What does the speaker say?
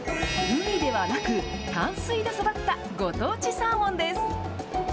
海ではなく、淡水で育ったご当地サーモンです。